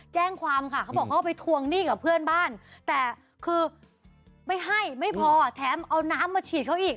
แจ้งความค่ะเขาบอกเขาไปทวงหนี้กับเพื่อนบ้านแต่คือไม่ให้ไม่พอแถมเอาน้ำมาฉีดเขาอีก